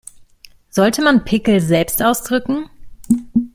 Sollte man Pickel selbst ausdrücken?